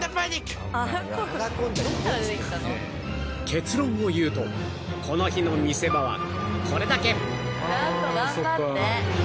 ［結論を言うとこの日の見せ場はこれだけ］